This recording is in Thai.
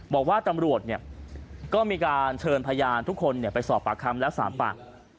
บอกว่าตำรวจก็มีการเชิญพยานทุกคนไปสอบปากคำแล้ว๓ปาก